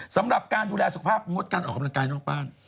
สำหรับการดูแลสุขภาพงดการออกกำลังกายนอกบ้าน